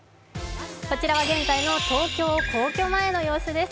こちらは現在の東京・皇居前の様子です。